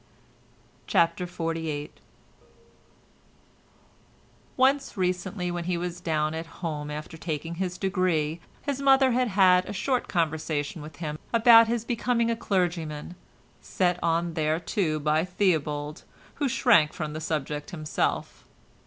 CHAPTER XLVIII Once, recently, when he was down at home after taking his degree, his mother had had a short conversation with him about his becoming a clergyman, set on thereto by Theobald, who shrank from the subject himself.